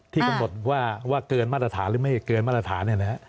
กำหนดว่าเกินมาตรฐานหรือไม่เกินมาตรฐานเนี่ยนะฮะ